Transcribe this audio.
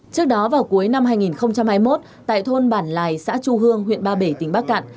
trước đó vào cuối năm hai nghìn hai mươi một tại thôn bản lài xã chu hương huyện ba bể tỉnh bắc cạn